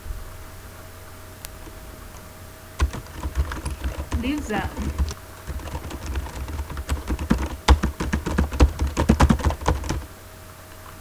Leaves are large and dull green and are prone to mildew.